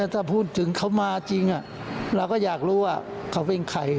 ถ้าพูดถึงเขามาจริงเราก็อยากรู้ว่าเขาเป็นใคร